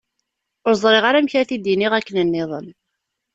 Ur ẓriɣ amek ara t-id-ininɣ akken nniḍen.